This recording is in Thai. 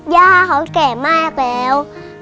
ย่าเขาแก่มากแล้ว